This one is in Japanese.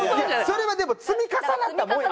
それはでも積み重なったもん。